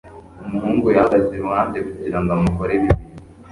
Umuhungu yahagaze iruhande kugirango amukorere ibintu.